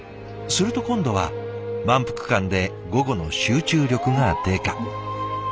すると今度は満腹感で午後の集中力が低下。